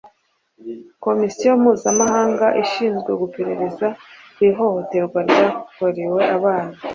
Komisiyo mpuzamahanga ishinzwe guperereza ku ihohoterwa ryakorewe abana